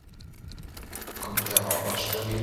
Kommt er auch aus Schwerin?